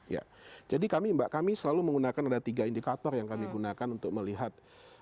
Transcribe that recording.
ya jadi kami mbak kami selalu menggunakan ada tiga indikator yang kami gunakan untuk melihat